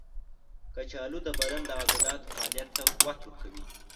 کچالو د بدن د عضلاتو فعالیت ته قوت ورکوي.